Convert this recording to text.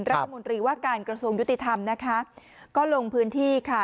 รัฐมนตรีว่าการกระทรวงยุติธรรมนะคะก็ลงพื้นที่ค่ะ